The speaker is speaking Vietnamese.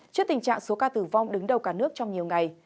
trước tình trạng số ca tử vong đứng đầu cả nước trong nhiều ngày